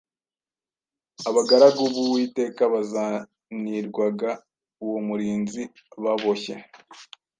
Abagaragu b’Uwiteka bazanirwaga uwo murinzi baboshye